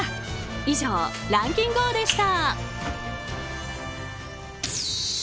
以上、ランキンＧＯ！でした。